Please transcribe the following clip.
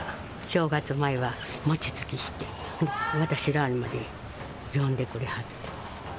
正月前は餅つきして、私らまで呼んでくれはって。